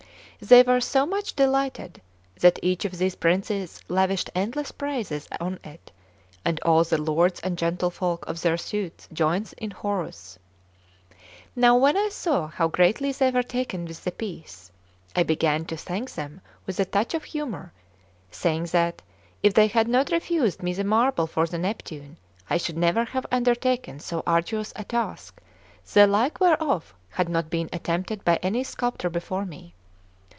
They were so much delighted, that each of these princes lavished endless praises on it, and all the lords and gentlefolk of their suites joined in chorus. Now, when I saw how greatly they were taken with the piece, I began to thank them with a touch of humour, saying that, if they had not refused me the marble for the Neptune, I should never have undertaken so arduous a task, the like whereof had not been attempted by any sculptor before me."